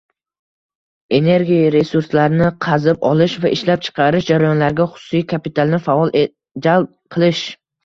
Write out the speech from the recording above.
energiya resurslarini qazib olish va ishlab chiqarish jarayonlariga xususiy kapitalni faol jalb qilish